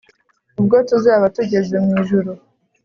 Ubwo tuzaba tugeze mwijuru